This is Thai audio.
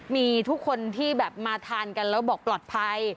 มีทุกคนที่แบบมาทานกันแล้วบอกปลอดภัย